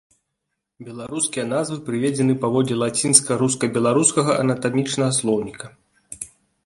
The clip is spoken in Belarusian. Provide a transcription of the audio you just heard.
Беларускія назвы прыведзены паводле лацінска-руска-беларускага анатамічнага слоўніка.